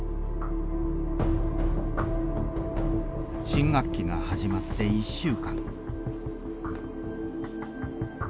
新学期が始まって１週間。